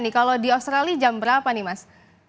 kalau di australia jam berapa nih mas